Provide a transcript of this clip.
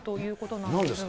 なんですか？